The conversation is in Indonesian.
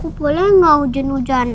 aku boleh gak hujan hujanan